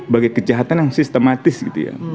bagi kejahatan yang sistematis gitu ya